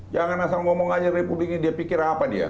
jangan asal ngomong aja republik ini dia pikir apa dia